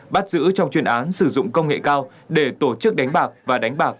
bắt giữ trong chuyên án sử dụng công nghệ cao để tổ chức đánh bạc và đánh bạc